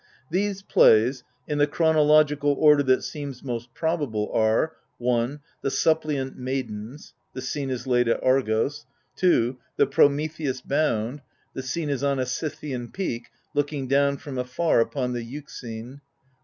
These plays (in the chronological order that seems most probable) are — I. The Suppliant Maidens. TAe Scene ts laid at Argos, II. The Prometheus Bound. The Scene is on a Scythian peak^ looking down from afar upon the Euxine.